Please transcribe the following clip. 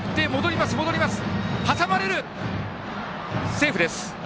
セーフです。